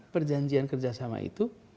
perjanjian kerjasama itu